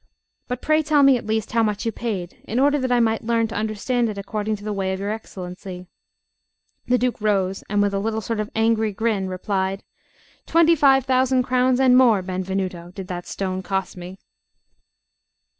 But pray tell me at least how much you paid, in order that I may learn to understand it according to the way of your Excellency." The Duke rose, and, with a little sort of angry grin, replied: "Twenty five thousand crowns and more, Benvenuto, did that stone cost me!"